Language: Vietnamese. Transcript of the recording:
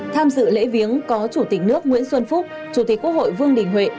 tham dự lễ viếng có chủ tịch nước nguyễn xuân phúc chủ tịch quốc hội vương đình huệ